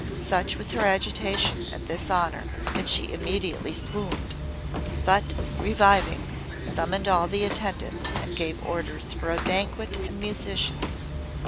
Such was her agitation at this honour that she immediately swooned; but, reviving, summoned all the attendants and gave orders for a banquet and musicians.